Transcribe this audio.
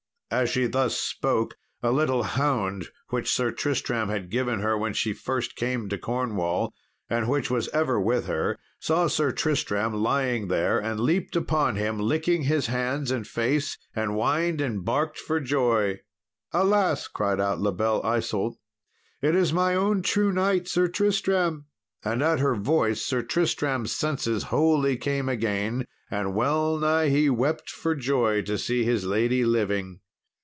As she thus spoke a little hound, which Sir Tristram had given her when she first came to Cornwall, and which was ever with her, saw Sir Tristram lying there, and leapt upon him, licking his hands and face, and whined and barked for joy. "Alas," cried out La Belle Isault, "it is my own true knight, Sir Tristram." And at her voice Sir Tristram's senses wholly came again, and wellnigh he wept for joy to see his lady living.